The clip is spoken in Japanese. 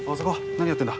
何やってんだ？